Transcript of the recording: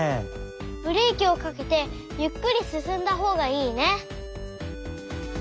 ブレーキをかけてゆっくりすすんだほうがいいね。